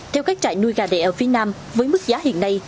theo các trại nuôi gà đẻ ở phía nam với mức giá hiện nay